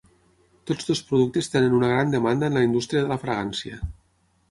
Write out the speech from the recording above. Tots dos productes tenen una gran demanda en la indústria de la fragància.